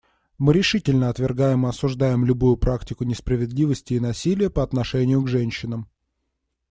Мы решительно отвергаем и осуждаем любую практику несправедливости и насилия по отношению к женщинам.